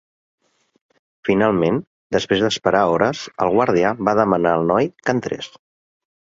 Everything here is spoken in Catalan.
Finalment, després d'esperar hores, el guàrdia va demanar al noi que entrés.